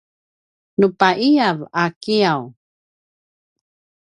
nu paiyav a kiyaw